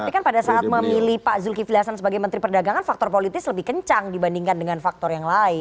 tapi kan pada saat memilih pak zulkifli hasan sebagai menteri perdagangan faktor politis lebih kencang dibandingkan dengan faktor yang lain